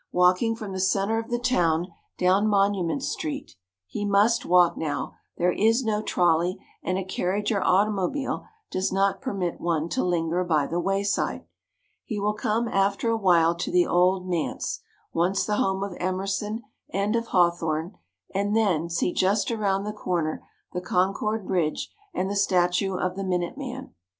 Walking from the center of the town down Monument Street (he must walk now ; there is no trolley, and a carriage or automobile does not permit one to linger by the wayside), he will come after a while to the Old Manse, once the home of Emerson and of Hawthorne, and then see just around the corner the Concord Bridge and the statue of the Minute Man.